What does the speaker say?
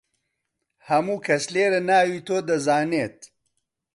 هەموو کەس لێرە ناوی تۆ دەزانێت.